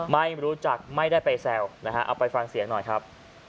ไม่รู้จักไม่ได้ไปแซวนะฮะเอาไปฟังเสียงหน่อยครับ